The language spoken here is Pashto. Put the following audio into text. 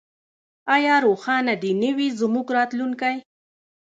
آیا روښانه دې نه وي زموږ راتلونکی؟